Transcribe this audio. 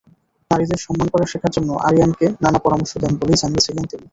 নারীদের সম্মান করা শেখার জন্য আরিয়ানকে নানা পরামর্শ দেন বলেই জানিয়েছিলেন তিনি।